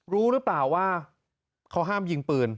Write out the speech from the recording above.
รู้หรือเปล่าว่าเขาห้ามยิงปืน